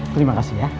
terima kasih ya